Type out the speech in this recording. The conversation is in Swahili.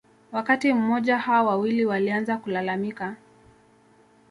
Wakati mmoja hao wawili walianza kulalamika